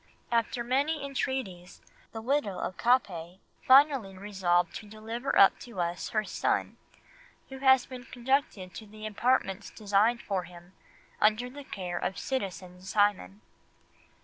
"After many entreaties the widow of Capet finally resolved to deliver up to us her son, who has been conducted to the apartments designed for him under the care of citizen Simon."